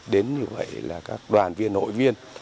đến như vậy là các đoàn viên nội viên